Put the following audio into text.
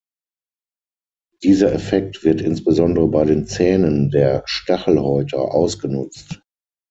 Dieser Effekt wird insbesondere bei den Zähnen der Stachelhäuter ausgenutzt.